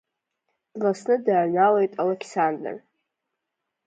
Дласны дааҩналоит Алы ьсандр.